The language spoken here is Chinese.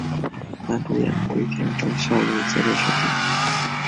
男主演洼田正孝由作者选定。